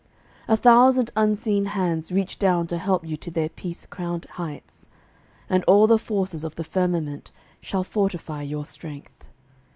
A thousand unseen hands Reach down to help you to their peace crowned heights. And all the forces of the firmament Shall fortify your strength.